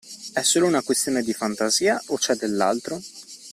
È solo una questione di fantasia o c’è dell’altro?